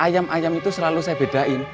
ayam ayam itu selalu saya bedain